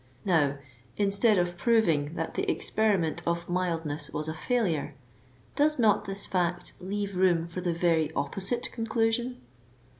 Now, instead of proving that the experiment of mild, ness was a failure, does not this fact leave room for the very oppo site conclusion